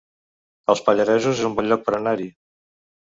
Els Pallaresos es un bon lloc per anar-hi